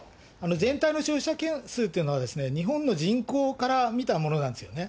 全体のというのは日本の人口から見たものなんですよね。